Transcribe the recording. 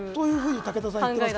武田さん、言っています